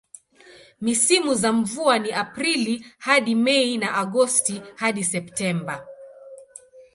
Misimu za mvua ni Aprili hadi Mei na Agosti hadi Septemba.